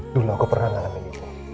dulu aku pernah ngani